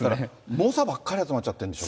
猛者ばっかり集まっちゃってるんでしょ。